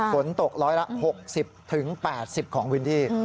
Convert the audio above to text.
ฝนตกร้อยละ๖๐๘๐ของพื้นที่